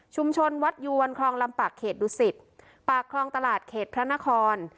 วัดยวนคลองลำปากเขตดุสิตปากคลองตลาดเขตพระนคร